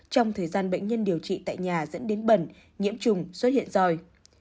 trong thời gian bệnh nhân điều trị tại nhà dẫn đến bẩn nhiễm trùng xuất hiện roi